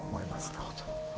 なるほど。